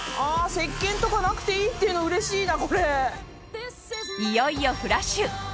石鹸とかなくていいっていうのうれしいな。